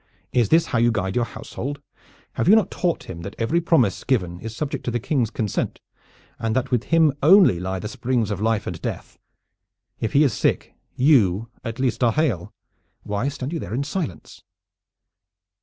Is this how you guide your household? Have you not taught him that every promise given is subject to the King's consent, and that with him only lie the springs of life and death? If he is sick, you at least are hale. Why stand you there in silence?"